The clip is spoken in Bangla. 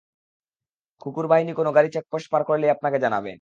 কুকুরবাহী কোনো গাড়ি চেকপোস্ট পার করলেই আমাকে জানাবে।